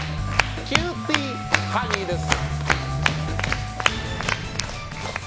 「キューティーハニー」です。